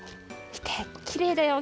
みてきれいだよ。